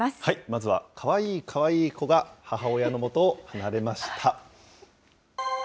まずはかわいい、かわいい子が母親のもとを離れました。